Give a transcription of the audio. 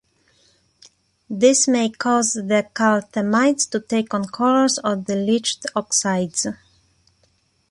This may cause the calthemites to take on colours of the leached oxides.